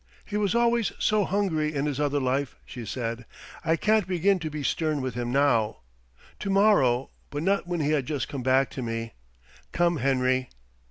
'He was always so hungry in his other life,' she said. 'I can't begin to be stern with him now. To morrow, but not when he has just come back to me. Come, Henry!'